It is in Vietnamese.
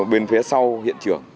bên phía sau hiện trường